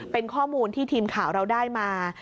เป็นข้อมูลที่ทีมข่าวเราได้มา